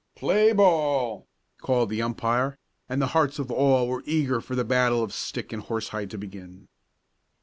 "Play ball!" called the umpire, and the hearts of all were eager for the battle of stick and horsehide to begin.